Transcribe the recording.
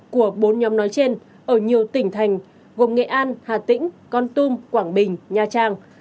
của bốn nhóm nói trên ở nhiều tỉnh thành gồm nghệ an hà tĩnh con tum quảng bình nha trang